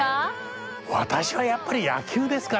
私はやっぱり野球ですかね。